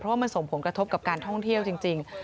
ว่ามันส่งผลกระทบกับการท่องเที่ยวจริง